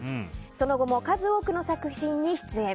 その後も数多くの作品に出演。